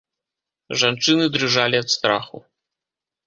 Жанчыны дрыжалі ад страху.